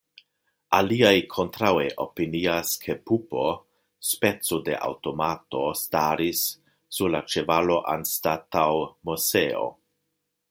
Aliaj kontraŭe opinias, ke pupo, speco de aŭtomato staris sur la ĉevalo anstataŭ Moseo.